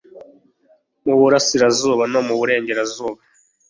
mu burasirazuba no mu burengerazuba